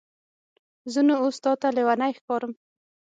زه نو اوس تاته لیونی ښکارم؟